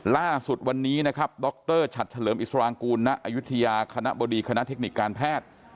ล่าสุดวันนี้นะครับดรฉัดเฉลิมอิสรางกูลณอายุทยาคณะบดีคณะเทคนิคการแพทย์